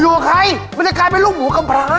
อย่างนี้แบบว่า